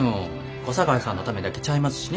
小堺さんのためだけちゃいますしね。